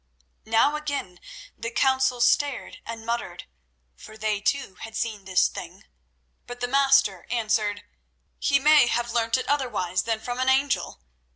Now again the council stared and muttered, for they too had seen this thing; but the Master answered: "He may have learnt it otherwise than from an angel.